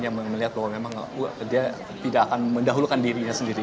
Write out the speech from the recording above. yang melihat bahwa memang dia tidak akan mendahulukan dirinya sendiri